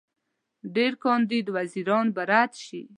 ډېر کاندید وزیران به رد شي.